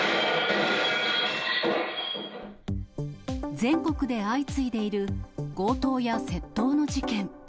全国で相次いでいる強盗や窃盗の事件。